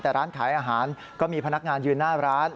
แต่ร้านขายอาหารก็มีพนักงานยืนหน้าร้าน